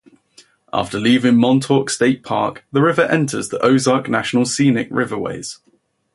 After leaving Montauk State Park the river enters the Ozark National Scenic Riverways.